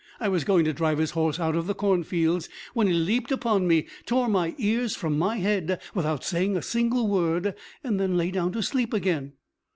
I was going to drive his horse out of the cornfields, when he leaped upon me, tore my ears from my head without saying a single word, and then lay down to sleep again."